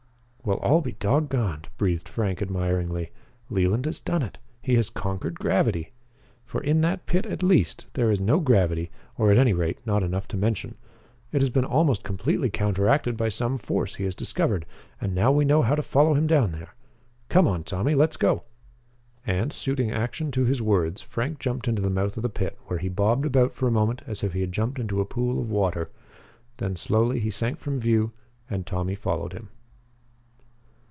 "Well, I'll be doggoned," breathed Frank admiringly. "Leland has done it. He has conquered gravity. For, in that pit at least, there is no gravity, or at any rate not enough to mention. It has been almost completely counteracted by some force he has discovered and now we know how to follow him down there. Come on Tommy, let's go!" And, suiting action to his words, Frank jumped into the mouth of the pit where he bobbed about for a moment as if he had jumped into a pool of water. Then slowly he sank from view, and Tommy followed him.